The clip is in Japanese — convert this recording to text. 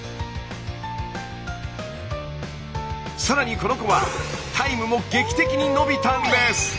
さらにこの子はタイムも劇的に伸びたんです！